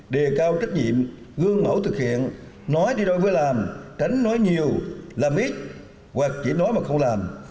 đề cao trách nhiệm gương mẫu thực hiện nói đi đôi với làm tránh nói nhiều làm ít hoặc chỉ nói mà không làm